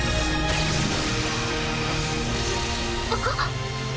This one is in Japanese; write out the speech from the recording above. あっ。